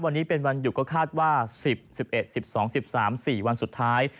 วันนี้เป็นวันหยุดก็คาดว่า๑๐๑๑๑๑๒๑๓๔วันสุดท้าย